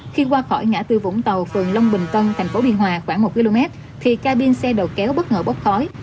khi qua khỏi ngã tư vũng tàu phường long bình tân thành phố biên hòa khoảng một km thì ca biên xe đầu kéo bất ngờ bốc khói